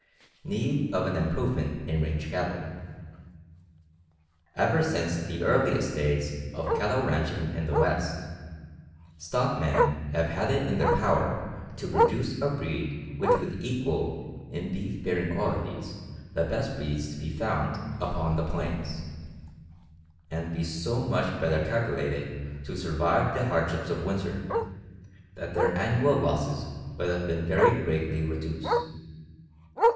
Need of an improvement in range cattle. Ever since the earliest days of cattle ranching in the West, stockmen have had it in their power to produce a breed which would equal in beef bearing qualities the best breeds to be found upon the plains, and be so much better calculated to survive the hardships of winter, that their annual losses would have been very greatly reduced.